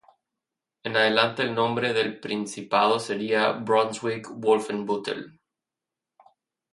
En adelante el nombre del principado sería "Brunswick-Wolfenbüttel".